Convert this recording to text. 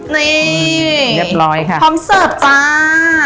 นี่เรียบร้อยค่ะพร้อมเสิร์ฟจ้า